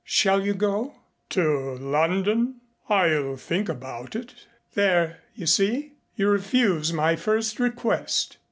"Shall you go?" "To London? I'll think about it." "There! You see? You refuse my first request."